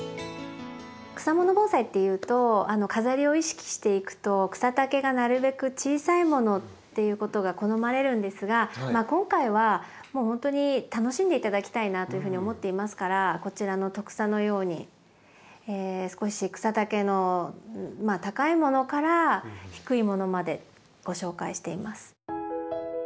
草もの盆栽っていうと飾りを意識していくと草丈がなるべく小さいものっていうことが好まれるんですが今回はもうほんとに楽しんで頂きたいなというふうに思っていますからこちらのトクサのように少し草丈の高いものから低いものまでご紹介しています。